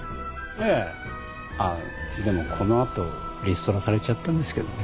ええあっでもこの後リストラされちゃったんですけどね。